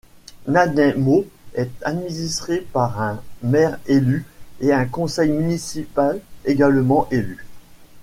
Nanaimo est administré par un maire élu et un Conseil municipal également élu.